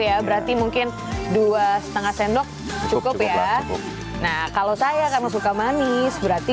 ya berarti mungkin dua setengah sendok cukup ya nah kalau saya karena suka manis berarti